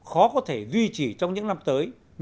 khó có thể duy trì trong những kế hoạch của các mạng xã hội